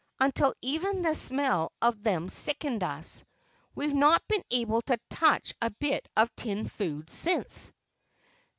—until even the smell of them sickened us. We've not been able to touch a bit of tinned food since."